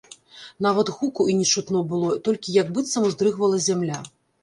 Нават гуку і не чутно было, толькі як быццам уздрыгвала зямля.